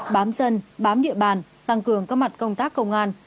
bám dân bám địa bàn tăng cường các mặt công tác công an